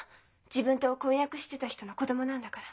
自分と婚約してた人の子供なんだから。